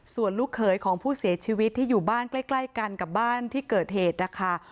ส่วนลูกเขยของผู้เสียชีวิตที่อยู่บ้านใกล้กันกับบ้านที่เกิดเหตุนะคะ